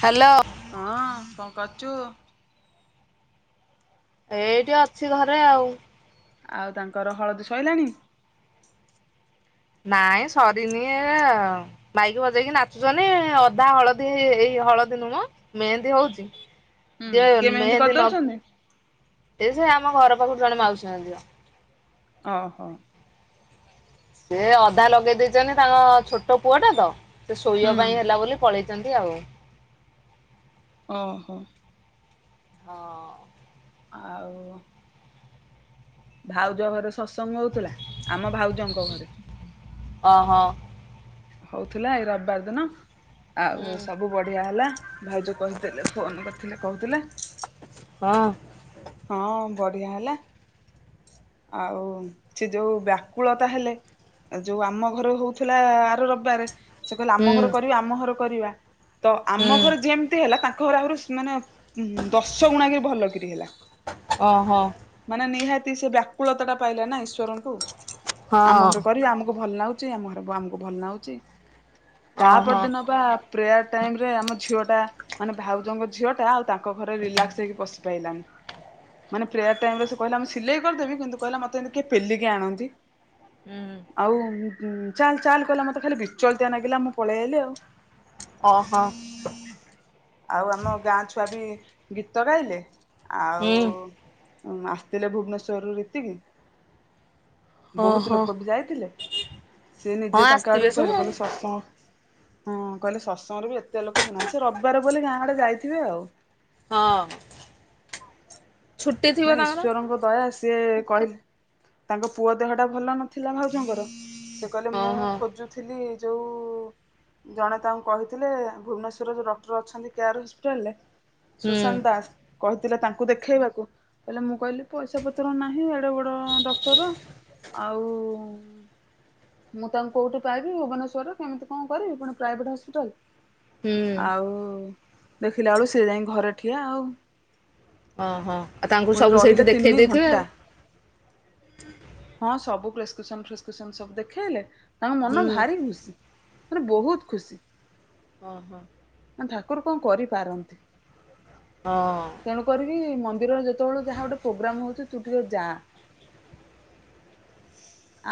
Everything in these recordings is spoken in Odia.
ହ୍ୟାଲୋ। ହଁ କଣ କରୁଚୁ? ଏଇଠି ଅଛି ଘରେ ଆଉ। ଆଉ ତାଙ୍କର ହଳଦୀ ସଇଲାଣି? ନାଇଁ ସରିନି- ଆଉ ମାଇକ୍ ବଜେଇକି ନାଚୁ-ଛନ୍ତି ଅଧା ହଳଦୀ ଏଇ ହଳଦୀ ନୁହଁ ମ ମେହେନ୍ଦୀ ହଉଛି ହୁଁ ଯେ କିଏ ମେହେନ୍ଦୀ ନ କରିଦଉଛନ୍ତି? ଏ ସେ ଆମ ଘର ପାଖୁ ଜଣେ ମାଉସୀଙ୍କ ଝିଅ। ଓ ହୋ। ସେ ଅଧା ଲଗେଇ ଦେଇଛନ୍ତି ତାଙ୍କ ଛୋଟ ପୁଅ ଟା ତ ସେ ଶୋଇବା ହୁଁ ପାଇଁ ହେଲା ବୋଲି ପଳେଇ ଛନ୍ତି ଆଉ। ଓ ହୋ। ହଁ। ଆଉ ଭାଉଜ ଘରେ ସତ୍ ସଙ୍ଗ ହଉଥିଲା ଆମ ଭାଉଜଙ୍କ ଘରେ। ଓହୋ। ହଉଥିଲା ଏଇ ରବିବାର ଦିନ, ହୁଁ ଆଉ ସବୁ ବଢିଆ ହେଲା। ଭାଉଜ କହିଥିଲେ ଫୋନ କରିଥିଲେ କହୁଥିଲେ। ହଁ। ହଁ ବଢିଆ ହେଲା। ଆଉ ସେ ଯୋଉ ବ୍ୟାକୁଳତା ହେଲେ ଯୋଉ ଆମ ଘରେ ହଉଥିଲା ଆର ରବିବାରେ ସେ କହିଲେ ହୁଁ ଆମ ଘରେ କରିବା ଆମ ଘରେ କରିବା। ତ ହୁଁ ଆମ ଘରେ ଯେମିତି ହେଲା ତାଙ୍କ ଘରେ ଆହୁରି ମାନେ ହୁଁ ହୁଁ ଦଶ ଗୁଣା କି ଭଲକିରି ହେଲା। ଓହୋ। ମାନେ ନିହାତି ସେ ବ୍ୟାକୁଳତାଟା ପାଇଲେ ନା ଈଶ୍ୱରଙ୍କଠୁ। ଆମ ହଁ ଘରେ କରି ଆମକୁ ଭଲ ନାଗୁ ଗୁଚି ଆମ ଘରେ ଆମକୁ ଭଲ ନାଗୁଚି। ଓହୋ ତାପରଦିନ ବା ପ୍ରେୟାର୍ ଟାଇମ୍ ରେ ଆମ ଝିଅଟା ମାନେ ଭାଉଜଙ୍କ ଝିଅ ଟା ଆଉ ତାଙ୍କ ଘରେ ରିଲାକ୍ସ ହେଇକି ବସି ପାଇଲାନି। ମାନେ ପ୍ରେୟାର ଟାଇମ୍ ରେ ସେ କହିଲା ମୁଁ ସିଲେଇ କରିଦେବି କିନ୍ତୁ କହିଲା ମୋତେ ଏମିତି କିଏ ପେଲିକି ଆଣନ୍ତି। ହୁଁ ଆଉ ଚାଲ୍ ଚାଲ୍ କଇଲା ମୋତେ ଖାଲି ବିଚଳତିଆ ଲାଗିଲା ମୁଁ ପଳେଇ ଆଇଲି ଆଉ। ଓହୋ ଆଉ ଆମ ଗାଁ ଛୁଆ ବି ଗୀତ ଗାଇଲେ? ଆଉ ହୁଁ ଉଁ ଆସିଥିଲେ ଭୁବନେଶ୍ଵରରୁ ରିତିକି? ବହୁତ ଓହୋ ଲୋକ ବି ଯାଇଥିଲେ, ସେ ହଁ ନିଜେ ତାଙ୍କ ଆଡୁ ଆସିଥିବେ ବି ସବୁ କହିଲେ ଆଉ କହିଲେ ସତସଙ୍ଗ ହଁ କହିଲେ ସତସଙ୍ଗରେ ବି ଏତେ ଲୋକ ହଉନାହାଁନ୍ତି ସେ ରବିବାର ବୋଲି ଗାଁ ଆଡେ ଯାଇଥିବେ ଆଉ। ହଁ। ଛୁଟି ଥିବ ନାଇଁ ତାଙ୍କର ଈଶ୍ୱରଙ୍କ ଦୟା ଆସି ସିଏ କହିଲେ ତାଙ୍କ ପୁଅ ଦେହଟା ଭଲ ନଥିଲା ଭାଉଜଙ୍କର ସିଏ କହିଲେ ହଁ ମୁଁ ହଁ ଖୋଜୁଥିଲି ଯୋଉ ଜଣେ ତାଙ୍କୁ କହିଥିଲେ ଭୁବନେଶ୍ଵରରେ ଯୋଉ ଡକ୍ଟର ଅଛନ୍ତି କେୟାର ହସ୍ପିଟାଲରେ ହୁଁ ସୁଶାନ୍ତ ଦାସ କହିଥିଲେ ତାଙ୍କୁ ଦେଖେଇବାକୁ ହେଲେ, ମୁଁ କହିଲି ପଇସା ପତ୍ର ନାହିଁ ଏଡେ ବଡ ଡକ୍ଟର ଆଉ ମୁଁ ତାଙ୍କୁ କୋଉଠି ପାଇବି, ଭୁବନେଶ୍ୱରରେ କେମିତି କଣ କରିବି, ପୁଣି ପ୍ରାଇଭେଟ୍ ହସ୍ପିଟାଲ। ହୁଁ ଆଉ ଦେଖିଲା ବେଳକୁ ସେ ଯାଇ ଘରେ ଠିଆ ଆଉ। ହଁ ହଁ ଆଉ ତାଙ୍କୁ ପୁଣି ସବୁ ରହିଲେ ସେଇଠି ଦେଖେଇ ତିନି ଦେଇଥିବେ ଘଣ୍ଟା ଆଉ। ହଁ ସବୁ ପ୍ରେସକ୍ରିପସନ୍ ଫେସ୍କ୍ରିପସନ ସବୁ ଦେଖେଇଲେ ତାଙ୍କ ମନ ହୁଁ ଭାରି ଖୁସି। ମାନେ ବହୁତ ଖୁସି। ଓହୋ। ଠାକୁର କଣ କରିପାରନ୍ତି। ହଁ ତେଣୁ କରିକି ମ ନ୍ଦିରରେ ଯେତେବେଳେ ଯାହା ଗୋଟେ ପ୍ରୋଗ୍ରାମ ହଉଛି ତୁ ଟିକେ ଯା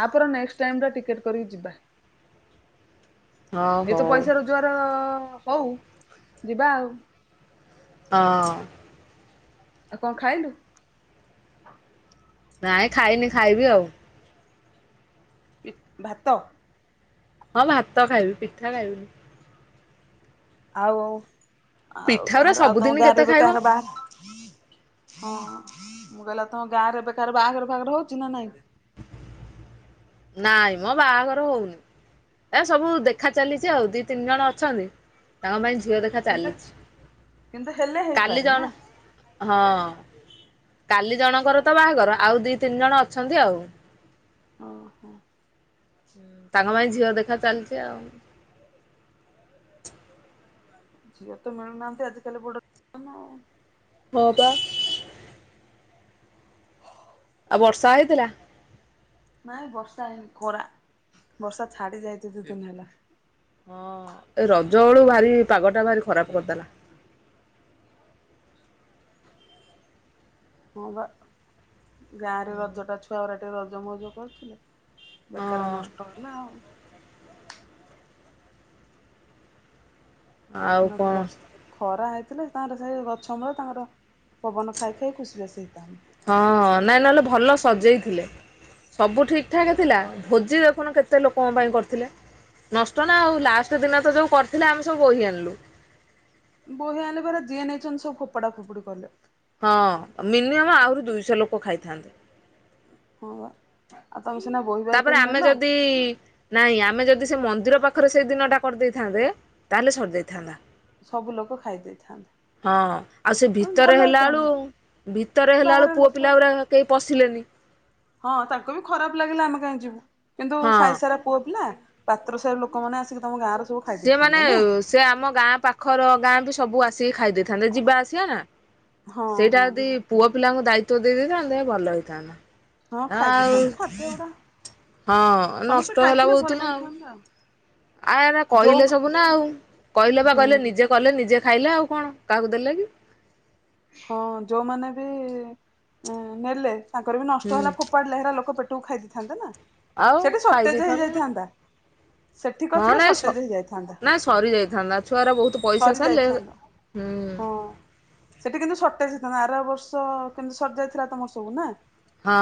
ଆ ପରେ ନେକ୍ସଟ୍ ଟାଇମ ଟା ଟିକେଟ କରିକି ଯିବା। ହଁ ଏ ତ ହଉ ପଇସା ରୋଜଗାର ଅ ହଉ ଯିବା ଆଉ। ହଁ। ଆଉ କଣ ଖାଇଲୁ? ନାଇଁ ଖାଇନି ଖାଇବି ଆଉ। ଇତ୍ ଭାତ? ହଁ ଭାତ ଖାଇବି, ପିଠା ଖାଇବିନି। ଆଉ ହଉ ଆଉ ପିଠା ଗୁରା କାହାର ଆଉ ତମ ସବୁଦିନ କେତେ ଗାଁରେ ଏବେ ଖାଇବ କାହାର ବାହା ହଁ ମୁଁ କହିଲି ଆଉ ତମ ଗାଁରେ ଏବେ କାହାର ବାହାଘର ଫାହାଘର ହଉଛିି ନା ନାଇଁ? ନାଇଁ ମ ବାହାଘର ହଉନି। ଏ ସବୁ ଦେଖା ଚାଲିଚି ଆଉ ଦି ତିନି ଜଣ ଅଛନ୍ତି ତାଙ୍କ ପାଇଁ ଝିଅ ଦେଖା କିନ୍ତୁ ଚାଲିଛି। କିନ୍ତୁ ହେଲେ କାଲି ହେଇପାରେ ନା ଜଣ ହଁ। କାଲି ଜଣଙ୍କର ତ ବାହାଘର ଆଉ ଦି ତିନି ଜଣ ଅଛନ୍ତି ଆଉ। ଓହୋ। ତାଙ୍କ ପାଇଁ ଝିଅ ଦେଖା ଚାଲିଛି ଆଉ ଝିଅ ତ ମିଳୁନାହାନ୍ତି ଆଜି କାଲି ବଡ଼ ସନ ଆଉ ହଁ ପା। ଆଉ ବର୍ଷା ହେଇଥିଲା? ନାଇଁ ବର୍ଷା ହେଇନି ଖରା ବର୍ଷା ଛାଡି ଯାଇଛି ଦି ଦିନ ହେଲା। ପାଗ ଟା ଭାରି ଖରାପ କରିଦେଲା। ହଁ ବା ଗାଁ ରେ ରଜ ଟା ଛୁଆ ଗରା ଟିକେ ରଜ ମଉଜ କରୁଥିଲେ। ବେକାର ହଁ ନଷ୍ଟ ହେଲା ଆଉ। ଆଉ ମକୁ କଣ ବସିଥିଲେ ଖରା ହେଇଥିଲେ ତାଙ୍କର ସେଇ ଗଛ ମୂଳେ ତାଙ୍କର ପବନ ଖାଇ ଖାଇ ଖୁସିବାସି ହେଇଥାନ୍ତେ। ହଁ ନାଇଁ ନହେଲେ ଭଲ ସଜେଇଥିଲେ ସବୁ ଠିକ୍ ଠାକ୍ ଥିଲା ଭୋଜି ଦେଖୁନୁ କେତେ ଲୋକଙ୍କ ପାଇଁ କରିଥିଲେ ନଷ୍ଟ ନା ଆଉ ଲାଷ୍ଟ ଦିନ ତ ଯୋଉ କରିଥିଲେ ଆମେ ସବୁ ବୋହି ଆଣିଲୁ। ବୋହି ଆଣିଲେ ପରା ଯିଏ ନେଇଛନ୍ତି ସବୁ ଫୋପଡ଼ା ଫୋପଡି କଲେ। ହଁ ମିନିମମ୍ ଆହୁରି ଦୁଇଶହ ଲୋକ ଖାଇଥାନ୍ତେ। ହଁ ବା। ଆ ତାପରେ ଆମେ ଯଦି ନାଇଁ ଆମେ ଯଦି ସେ ମ ନ୍ଦିର ପାଖରେ ସେଇ ଦିନଟା କରିଦେଇଥାନ୍ତେ ତାହେଲେ ସରି ଦେଇେଇଥାନ୍ତା। ସବୁ ଲୋକ ଖାଇ ହଁ ଦେଇଥାନ୍ତେ। ଆଉ ସେ ଭିତରେ ହେଲା ବେଳୁ ଭିତରେ ହେଲା ବେଳୁ ବାହାର ପୁଅ ପିଲା ଲୋକ ଗୁଡାକ କେହି ପଶିଲେନି। ହଁ ତାଙ୍କୁ ବି ଖରାପ ଲାଗିଲା ଆମେ କାହିଁ ଯିବୁ କିନ୍ତୁ ହଁ ସାଇସାରା ପୁଅପିଲା ପାତ୍ର ସାହି ଲୋକମାନେ ଆସିକି ତମ ଗାଁର ସବୁ ଖାଇ ଦେଇେଇଥାନ୍ତେ ସିଏମାନେ ନା। ସେ ଆମ ଗାଁ ପାଖର ଗାଁ କୁ ସବୁ ଆସ ଖାଇ ଦେଇଥାନ୍ତେ ଯିବା ଆସିବା ନା ହଁ ସେଇଟା ହଁ ଯଦି ପୁଅ ପିଲାଙ୍କୁ ଦାୟି ତ୍ବ ଦେଇ ଦେଇଥାନ୍ତେ ଭଲ ହେଇଥାନ୍ତା। ହଁ ଖାଇ ଆଉ ଦେଇେଇଥାନ୍ତେ ଖାଦ୍ୟ ଗୁଡା ହଁ ସମସ୍ତେ ନଷ୍ଟ ହେଲା ଖାଇଥିଲେ ବହୁତ ଭଲ ନା ଆଉ। ଲାଗିଥାନ୍ତା ଆୟାରା ଯୋଉ କହିଲେ ସବୁ ନା ଆଉ କହିଲେ ବା କହିଲେ ହୁଁ ନିଜେ କଲେ ନିଜେ ନିଜେ ଖାଇଲେ ଆଉ କଣ କାହାକୁ ଦେଲେ କି ହଁ ଯୋଉମାନେ ବି ନେଲେ ତାଙ୍କର ବି ନଷ୍ଟ ହେଲା ହୁଁ ଫୋପାଡ଼ିଲେ ହେରା ଲୋକ ପେଟକୁ ଖାଇ ଦେଇେଇଥାନ୍ତେ ନା। ଆଉ ସେଠି ଖାଇ ସଟେଜ ଦେଇଥାନ୍ତା। ହେଇଯାଇଥାନ୍ତା। ସେଠି ହଁ କରିଥିଲେ ନାଇଁ ସ ସର୍ଟେଜ ହେଇଯାଇଥାନ୍ତା। ନାଇଁ ସରି ଯାଇଥାନ୍ତା ଛୁଆଗୁରା ବହୁତ ପଇସା ସରି ସାରିଲେ ଯାଇଥାନ୍ତା ହୁଁ। ହଁ। ସେଠି କିନ୍ତୁ ସଟେଜ ହେଇଥାନ୍ତା ଆର ବର୍ଷ କେମିତି ସରି ଯାଇ ଥିଲା ତମର ସବୁ ନା। ହଁ।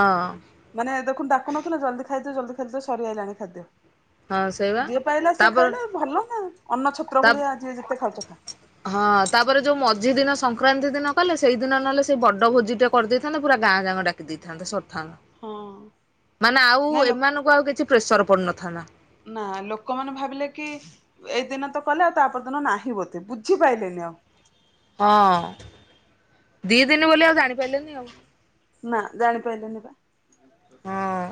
ମାନେ ଦେଖୁନୁ ଡାକୁନଥିଲେ ଜଲଦି ଖାଇଦିଅ ଜଲଦି ଖାଇଦିଅ ସରିଆଇଲାଣି ଖାଦ୍ୟ। ହଁ ସେଇବା ଯିଏ ପାଇଲା ସିଏ ତାପରେ ଖାଇଲା ଆଉ ଭଲ ନାଆ ଅନ୍ନଛତ୍ର ତା ଭଳିଆ ଯିଏ ଯେତେ ଖାଉଛ ଖା। ହଁ ତାପରେ ଯୋଉ ମଝି ଦିନ ସଂକ୍ରାନ୍ତି ଦିନ କଲେ ସେଇଦିନ ନହଲେ ସେ ବଡ଼ ଭୋଜିଟେ କରିଦେଇଥାନ୍ତେ ପୁରା ଗାଁ ଯାକ ଡାକି ଦେଇଥାନ୍ତେ। ସ ହଁ ମାନେ ଆଉ ନାଇଁ ଲୋ ଏମାନଙ୍କୁ ଆଉ କିଛି ପ୍ରେସର ପଡିନଥାନ୍ତା। ନା ଲୋକମାନେ ଭାବିଲେ କି ଏଇ ଦିନ ତ କଲେ ଆଉ ତାପର ଦିନ ନାହିଁ ବୋଧେ ବୁଝିପାରିଲେନି। [unintelligible] ହଁ ଦି ଦିନ୍ ବୋଲି ଆଉ ଜାଣି ପାରିଲେନି ଆଉ। ନା ଜାଣିପାଇଲେନି ବା ହଁ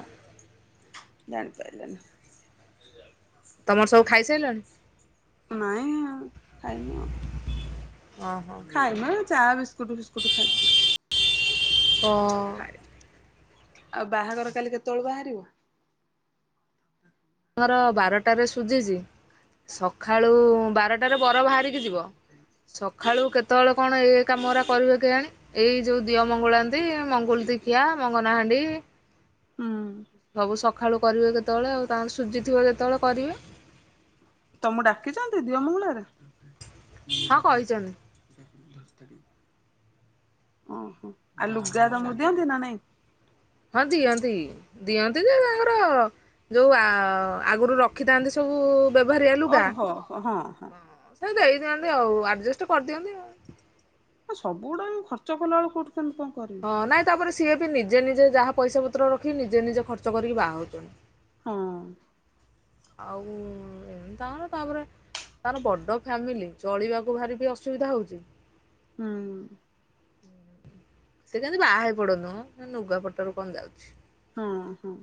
ଜାଣି ପାଇଲିନି ତମର ସବୁ ଖାଇସାଇଲଣି? ନାଇଁ ଆଉ ଖାଇନୁ ଆଉ। ଓହୋ ଖାଇନୁ ଏ ଚା ବିସ୍କୁଟ ଫିସ୍କୁଟ ଖାଇଥିଲୁ। ଓଁ। ଖାଇନୁ। ଆଉ ବାହାଘର କାଲି କେତେବେଳୁ ବାହାରିବୁ? ତମର ବାରଟାରେ ସୁଝିଛି ସଖାଳୁ ବାର ବର ବାହାରିକି ଯିବ, ସଖାଳୁ କେତେବେଳେ କଣ ଏ କାମଗୁରା କରିବେ କେଜାଣି ଏଇ ଯୋଉ ଦିଅ ମଙ୍ଗୁଳାନ୍ତି, ମଙ୍ଗୁଳିତି ଖିଆ, ମଙ୍ଗନହାଣ୍ଡି ହୁଁ ସବୁ ସକ୍ ସଖାଳୁ କରିବେ କେତେବେଳେ ଆଉ ତାଙ୍କର ସୁଝିଥିବ ଯେତେବେଳେ କରିବେ। ତମକୁ ଡାକିଛନ୍ତି ଦିଅଁ ମଙ୍ଗୁଳାରେ? ହଁ କହିଛନ୍ତି। ଓହୋଃ ଆଉ ଲୁଗା ହଁ। ତମକୁ ଦିଅନ୍ତି ନା ନାହିଁ? ହଁ ଦିଅନ୍ତି, ଦିଅନ୍ତି ଯେ ତାଙ୍କର ଯୋଉ ଆ ଆଗରୁ ରଖିଥାନ୍ତି ସବୁଉଉ ବ୍ୟବହାରିଆ ଲୁଗା ଓହୋ ହଁ ହଁ ଦେଇ ଦିଅନ୍ତି ଆଉ ଆଡଜେଷ୍ଟ୍ କରିଦିଅନ୍ତି ଆଉ। ସବୁଗୁଡା ବି ଖର୍ଚ୍ଚ କଲାବେଳକୁ କୋଉଠୁ ହଁ ନାଇଁ, ତାପରେ ସିଏ ବି ନିଜେ ନିଜେ ଯାହା ପଇସାପତ୍ର ରଖି ନିଜେନିଜେ ଖର୍ଚ୍ଚ କରିକି ବାହାହଉଛନ୍ତି। ହଁ। ଆଉଉ ଏମିତି ତାଙ୍କର ତାପରେ ତାଙ୍କର ବଡ ଫ୍ୟାମିଲି, ଚଳିବାକୁ ଭାରି ବି ଅସୁବିଧା ହଉଛି। ହୁଁ। ସେ କେମିତି ବାହା ହେଇପଡନ୍ତୁ ମ, ଲୁଗାପଟାରୁ କଣ ଯାଉଛି। ହଁ ହଁ।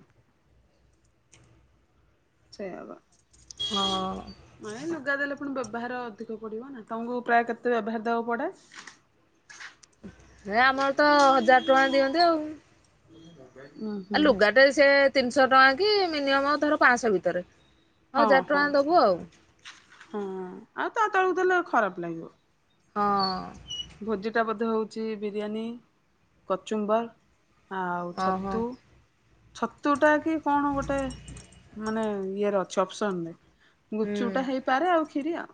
ସେଇଆ ବା ହଁଅଅ ନାଇଁ ଲୁଗା ଦେଲେ ପୁଣି ବ୍ୟବହାର ଅଧିକ ପଡିବନା, ତମକୁ ପ୍ରାୟ କେତେ ବ୍ୟବହାର ଦେବାକୁ ପଡେ? ଏ ଆମର ତ ହଜାର ଟଙ୍କା ଦିଅନ୍ତି ଆଉ ଆ ଆଉ ଲୁଗାଟେ ସେ ତିନିଶହ ଟଙ୍କା କି ମିନିମମ ଧର ପାଅଁଶହ ଭିତରେ ହଁ ହଜାର ହଁ ଟଙ୍କା ଦବୁ ଆଉ ହଁ ଆଉ ତା ତଳକୁ ଦେଲେ ଖରାପ ଲାଗିବ। ହଁଅଅ ଭୋଜିଟା ବୋଧେ ହଉଛି ବିରିୟାନୀ କଚୁମ୍ବର। ଆଉ ଓହୋ ଛତୁ, ଛତୁଟା କି କଣ ଗୋଟେ ମାନେ ଇଏରେ ଅଛି ଅପସନରେ, ଗୁପଚୁପଟା ହେଇପାରେ ଆଉ କ୍ଷୀରି ଆଉ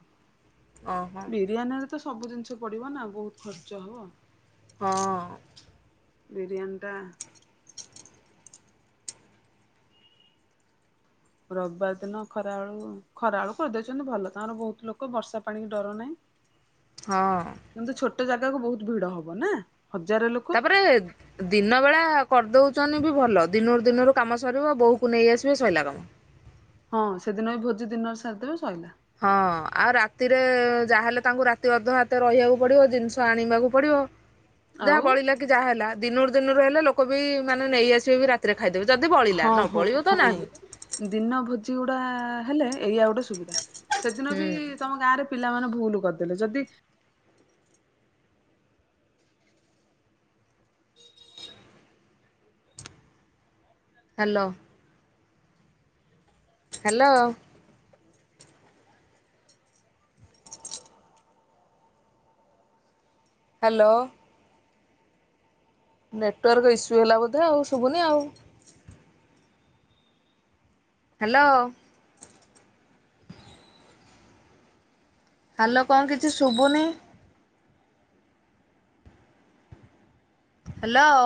ଓହୋଃ। ବିରିୟାନୀରେ ତ ସବୁ ଜିନିଷ ପଡିବନା ବହୁତ ଖର୍ଚ୍ଚ ହବ। ହଁଅଅ ବିରିୟାନୀଟା ରବିବାର ଦିନ ଖରାବେଳୁ, ଖରାବେଳୁ କରିଦେଇଛନ୍ତି ଭଲ ତାଙ୍କର ବହୁତ ଲୋକ ବର୍ଷା ପାଣିକି ଡର ନାହିଁ। ହଁ। ଗୋଟେ ଜାଗାକୁ ବହୁତ ଭିଡ ହବ, ନା? ହଜାରେ ଲୋକ ତାପରେ ଦିନ ବେଳା କରିଦଉ ଛନ୍ତି ବି ଭଲ, ଦିନରୁ ଦିନରୁ କାମ ସରିବ ବୋହୂକୁ ନେଇ ଆସିବେ ସଇଲା କାମ। ହଁ ସେଦିନ ବି ଭୋଜି ଦିନରେ ସାରିଦେବେ ସଇଲା। ହଁ ଆଉ ରାତିରେ ଯାହାହେଲେ ତାଙ୍କୁ ରାତି ଅଧ ହାତେ ରହିବାକୁ ପଡିବ ଜିନିଷ ଆଣିବାକୁ ପଡିବ। ହ ଯାହା ବଳିଲା କି ଯାହା ହେଲା ଦିନରୁ ଦିନରୁ ହେଲେ ଲୋକ ବି ମାନେ ନେଇଆସିବେ ବି ରାତିରେ ଖାଇଦେବ ଯଦି ବଳିଲା ହଁ ନ ହଁ ବଳିବ ତ ହଁ ନାହିଁ। ଦିନ [inaudible] ହେଲେ ଏଇଆ ଗୋଟେ ସୁବିଧା ସେଦିନ ହୁଁ ବି ତମ ଗାଁରେ ପି ପିଲାମାନେ ଭୁଲ କରିଦେଲେ ଯଦି hello. Hello. Hello. Network issue ହେଲା ବୋଧେ ଆଉ ଶୁଭୁନି ଆଉ ହ୍ୟାଲୋ। ହାଲୋ କଣ କିଛି ଶୁଭୁନି? ହ୍ୟାଲୋ।